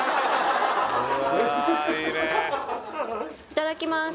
いただきます